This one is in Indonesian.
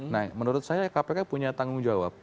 nah menurut saya kpk punya tanggung jawab